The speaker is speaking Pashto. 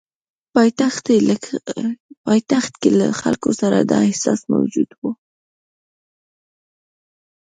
پایتخت کې له خلکو سره دا احساس موجود وو.